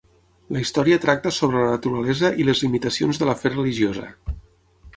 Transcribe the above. La història tracta sobre la naturalesa i les limitacions de la fe religiosa.